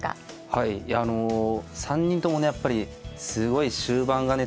はいあの３人ともねやっぱりすごい終盤がね